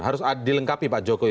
harus dilengkapi pak jokowi